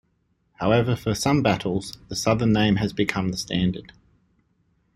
However, for some battles, the Southern name has become the standard.